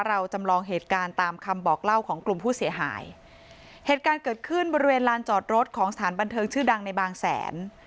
จำลองเหตุการณ์ตามคำบอกเล่าของกลุ่มผู้เสียหายเหตุการณ์เกิดขึ้นบริเวณลานจอดรถของสถานบันเทิงชื่อดังในบางแสน